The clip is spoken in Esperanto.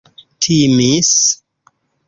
timis